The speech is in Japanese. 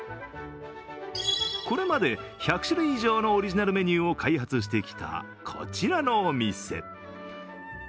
これまで１００種類以上のオリジナルメニューを開発してきたこちらのお店。